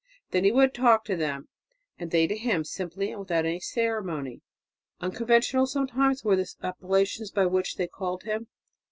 Then he would talk to them, and they to him, simply and without any ceremony. Unconventional sometimes were the appellations by which they called him.